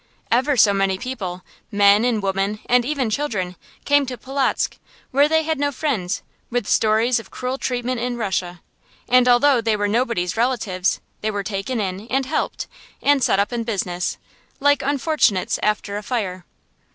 Ever so many people, men and women and even children, came to Polotzk, where they had no friends, with stories of cruel treatment in Russia; and although they were nobody's relatives, they were taken in, and helped, and set up in business, like unfortunates after a fire.